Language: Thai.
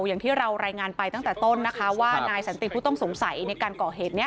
อย่างที่เรารายงานไปตั้งแต่ต้นนะคะว่านายสันติผู้ต้องสงสัยในการก่อเหตุนี้